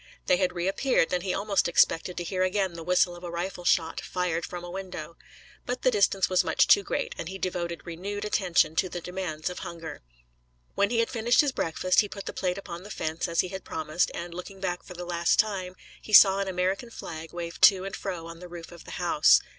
They had reappeared and he almost expected to hear again the whistle of a rifle shot, fired from a window. But the distance was much too great, and he devoted renewed attention to the demands of hunger. When he had finished his breakfast he put the plate upon the fence as he had promised, and, looking back for the last time, he saw an American flag wave to and fro on the roof of the house.